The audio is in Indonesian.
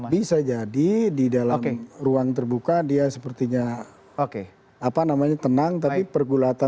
bisa jadi di dalam ruang terbuka dia sepertinya tenang tapi pergulatan